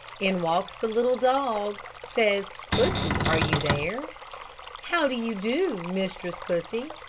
In walks the little dog; Says: "Pussy, are you there? How do you do, Mistress Pussy?